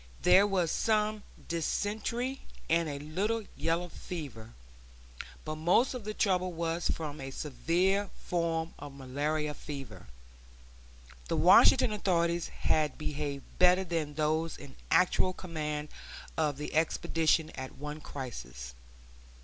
There was some dysentery, and a little yellow fever; but most of the trouble was from a severe form of malarial fever. The Washington authorities had behaved better than those in actual command of the expedition at one crisis.